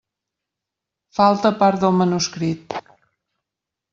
Falta part del manuscrit.